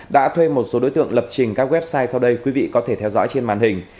đã thuê một số đối tượng lập trình các website sau đây quý vị có thể theo dõi trên màn hình